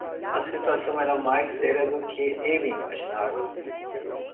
A situação era mais séria do que ele imaginava.